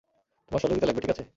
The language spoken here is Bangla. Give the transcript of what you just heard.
তোমার সহযোগিতা লাগবে, ঠিক আছে?